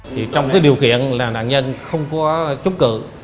thì trong cái điều kiện là nạn nhân không có chống cự